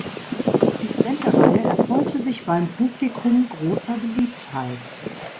Die Sendereihe erfreute sich beim Publikum großer Beliebtheit.